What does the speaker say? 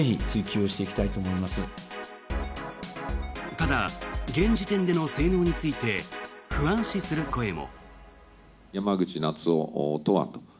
ただ、現時点での性能について不安視する声も。